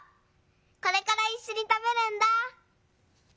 これからいっしょにたべるんだ」。